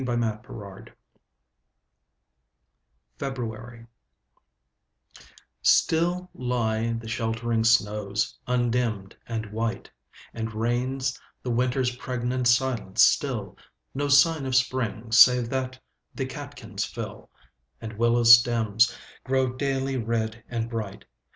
Helen Hunt Jackson February STILL lie the sheltering snows, undimmed and white; And reigns the winter's pregnant silence still; No sign of spring, save that the catkins fill, And willow stems grow daily red and bright.